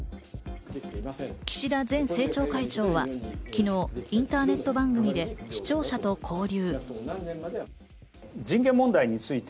岸田前政調会長は昨日インターネット番組で視聴者と交流。